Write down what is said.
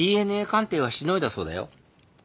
ＤＮＡ鑑定はしのいだそうだよ。